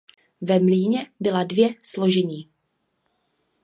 Ve mlýně byla dvě složení.